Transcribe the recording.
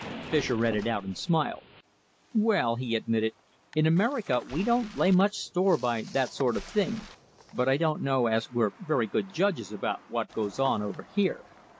Fischer read it out and smiled. "Well," he admitted, "in America we don't lay much store by that sort of thing, but I don't know as we're very good judges about what goes on over here.